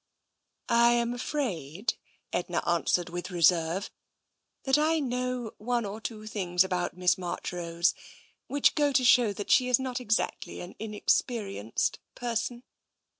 " I am afraid," Edna answered with reserve, " that I know one or two things about Miss Marchrose which go to show that she is not exactly an inexperienced person.